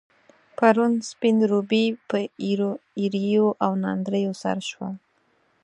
پرون، سپين روبي په ايريو او ناندريو سر شول.